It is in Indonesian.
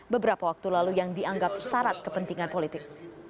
beberapa waktu lalu yang dianggap syarat kepentingan politik